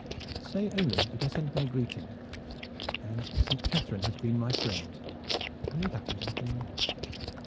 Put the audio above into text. "Say only that I sent my greeting, and that Saint Catharine has been my friend only that and nothing more.